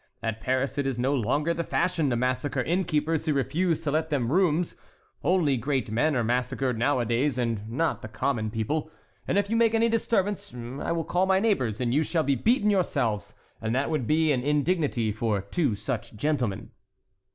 At Paris it is no longer the fashion to massacre innkeepers who refuse to let them rooms—only great men are massacred nowadays and not the common people; and if you make any disturbance, I will call my neighbors, and you shall be beaten yourselves, and that would be an indignity for two such gentlemen."